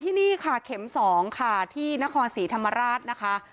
ที่นี่ค่ะเข็ม๒ค่ะที่นครศรีธรรมราชนะคะ